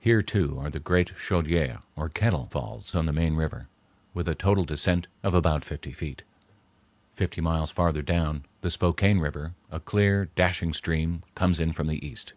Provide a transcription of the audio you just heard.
Here too are the great Chaudiere, or Kettle, Falls on the main river, with a total descent of about fifty feet. Fifty miles farther down, the Spokane River, a clear, dashing stream, comes in from the east.